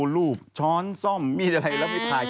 คุณค่ะ